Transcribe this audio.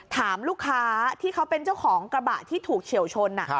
ถามลูกค้าที่เขาเป็นเจ้าของกระบะที่ถูกเฉียวชน